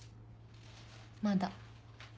まだ。